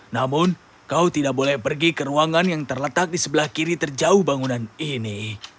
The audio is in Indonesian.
namun kau tidak boleh pergi ke ruangan yang terletak di sebelah kiri terjauh bangunan ini